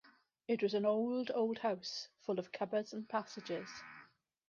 It was an old, old house, full of cupboards and passages.